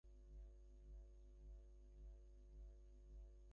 নীলুর খুব ইচ্ছে করছিল তাকে বসতে বলে, কিন্তু তার বড্ড লজ্জা করল।